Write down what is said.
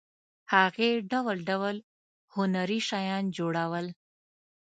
هغې ډول ډول هنري شیان جوړول.